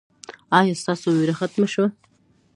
ایا ستاسو ویره ختمه شوه؟